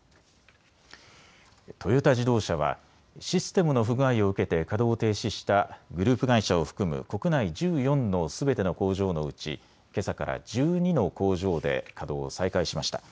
トヨタ自動車はシステムの不具合を受けて稼働を停止したグループ会社を含む国内１４のすべての工場のうちけさから１２の工場で稼働を再開しました。